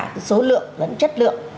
cái số lượng và chất lượng